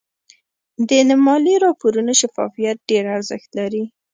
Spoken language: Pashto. د مالي راپورونو شفافیت ډېر ارزښت لري.